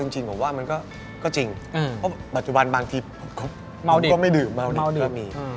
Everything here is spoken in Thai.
จริงผมว่ามันก็จริงเพราะปัจจุบันบางทีเขาก็ไม่ดื่มเมาดีก็มี